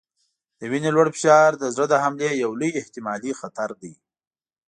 د وینې لوړ فشار د زړه د حملې یو لوی احتمالي خطر دی.